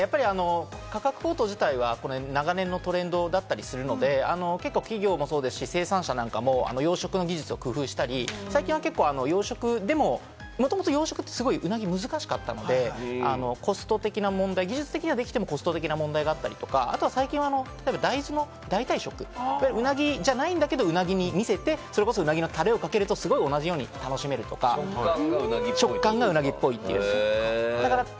価格高騰自体は長年のトレンドだったりするので、企業もそうですし、生産者なんかも養殖の技術を工夫したり、最近は養殖でも、もともと養殖ってウナギ、難しかったんで、コスト的な問題、技術的にはできてもコスト的な問題だったり、あとは最近、大豆の代替食、ウナギじゃないんだけれどもウナギに見せて、それこそウナギのタレをかけると同じように楽しめるとか、食感がウナギっぽい。